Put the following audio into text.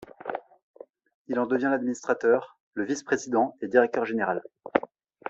Il en devient l'administrateur, le vice-président et directeur général.